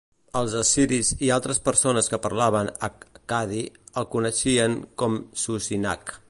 Els assiris i altres persones que parlaven accadi el coneixien com Susinak.